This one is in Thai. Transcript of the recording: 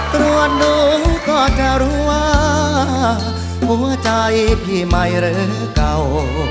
ตัวหนูก็จะรู้ว่าหัวใจพี่ไม่เรื้อเก่า